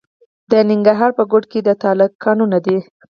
د ننګرهار په کوټ کې د تالک کانونه دي.